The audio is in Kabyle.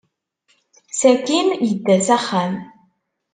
Sakkin, yedda s axxam.